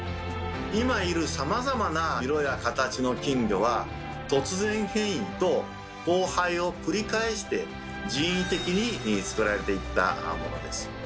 今いるさまざまな色や形の金魚は突然変異と交配を繰り返して人為的に作られていったものです。